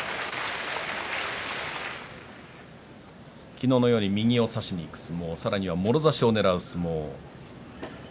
昨日のように右を差しにいく相撲、さらにもろ差しをねらう相撲。